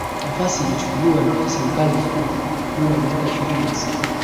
Nafasi ilichukuliwa na afisa mkazi mkuu kwa muda wa miaka ishirini na sita